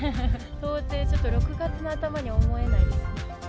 到底ちょっと６月の頭には思えないですね。